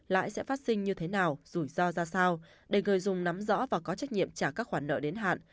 lãi sẽ phát sinh như thế nào rủi ro ra sao để người dùng nắm rõ và có trách nhiệm trả các khoản nợ đến hạn